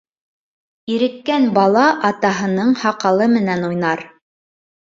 Иреккән бала атаһының һаҡалы менән уйнар.